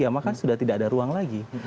maka sudah tidak ada ruang lagi